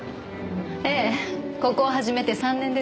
ええここを始めて３年です。